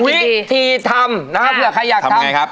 เป็นที่ทำเพื่อใครอยากทำ